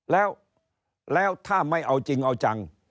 แล้วถ้าไม่เอาจริงเอาจัง